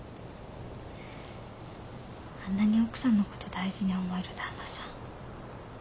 あんなに奥さんのこと大事に思える旦那さん